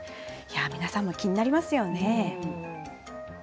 皆さんも気になりますよね。